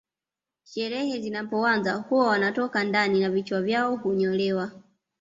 Sherehe zinapoanza huwa wanatoka ndani na vichwa vyao hunyolewa